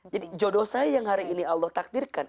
jadi jodoh saya yang hari ini allah takdirkan